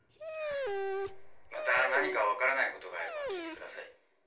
また何か分からないことがあれば聞いて下さい。